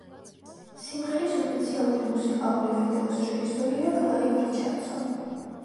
სიმღერის ოფიციალური მუსიკალური ვიდეოს რეჟისორია კლაივ რიჩარდსონი.